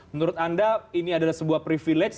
menurut anda ini adalah sebuah privilege